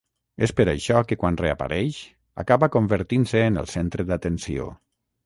És per això que quan reapareix, acaba convertint-se en el centre d’atenció.